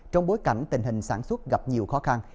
trong bối cảnh tình hình sản xuất gặp nhiều khó khăn